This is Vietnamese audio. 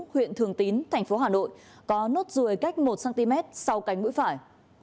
huyện thường tín tp hà nội có nốt ruồi cách một cm sau cánh mũi phải